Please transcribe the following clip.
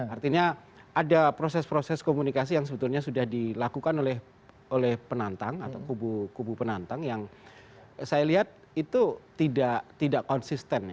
artinya ada proses proses komunikasi yang sebetulnya sudah dilakukan oleh penantang atau kubu penantang yang saya lihat itu tidak konsisten